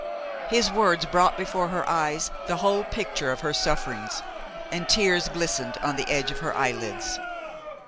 His words brought before her eyes the whole picture of her sufferings and tears glistened on the edge of her eyelids.